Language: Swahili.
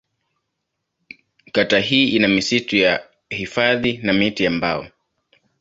Kata hii ina misitu ya hifadhi na miti ya mbao.